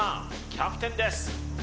キャプテンです